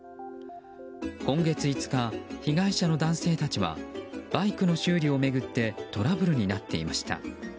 今月５日被害者の男性たちはバイクの修理を巡ってトラブルになっていました。